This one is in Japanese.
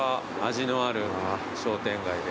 味のある商店街で。